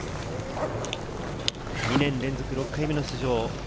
２年連続６回目の出場。